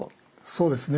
そうですね